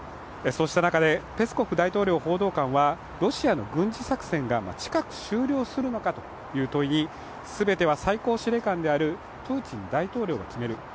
そうした中で、ペスコフ大統領報道官はロシアの軍事作戦が近く終了するのかという問いに、全ては最高司令官であるプーチン大統領が決める。